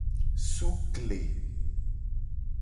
Sukle.